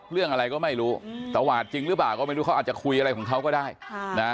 เรื่องอะไรก็ไม่รู้ตวาดจริงหรือเปล่าก็ไม่รู้เขาอาจจะคุยอะไรของเขาก็ได้นะ